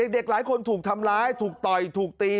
เด็กหลายคนถูกทำร้ายถูกต่อยถูกตี